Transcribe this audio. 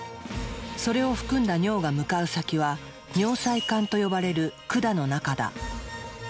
それを含んだ尿が向かう先は尿細管と呼ばれる管の中だ。